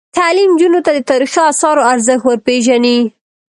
تعلیم نجونو ته د تاریخي اثارو ارزښت ور پېژني.